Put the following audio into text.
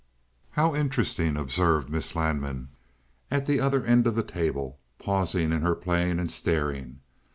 "How interesting!" observed Miss Lanman, at the other end of the table, pausing in her playing and staring.